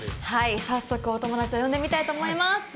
はい早速お友達を呼んでみたいと思います。